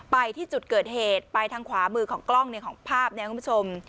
ไปที่จุดเกิดเหตุไปทางขวามือของกล้องของภาพนี้คุณผู้ชม